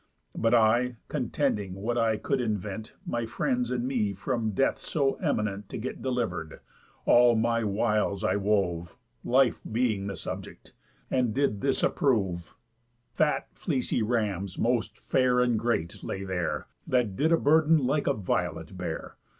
But I, contending what I could invent My friends and me from death so eminent To get deliver'd, all my wiles I wove (Life being the subject) and did this approve: Fat fleecy rams, most fair, and great, lay there, That did a burden like a violet bear.